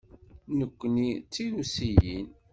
Nekkni d Tirusiyin.